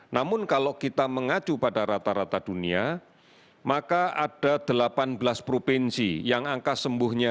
namun kalau kita mengacu pada rata rata dunia maka ada delapan belas provinsi yang angka sembuhnya